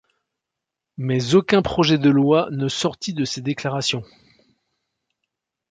Mais aucun projet de loi ne sortit de ces déclarations.